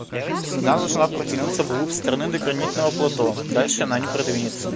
Стена должна протянуться вглубь страны до гранитного плато, дальше она не продвинется.